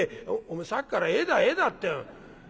「お前さっきから『絵だ絵だ』って。